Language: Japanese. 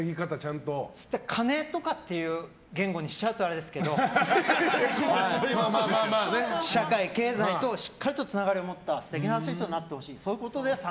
金とかという言語にしちゃうとあれですけど社会、経済としっかりとつながりを持った素敵なアスリートになってほしいということで△。